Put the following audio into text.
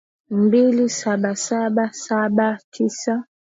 mbili saba saba saba tisa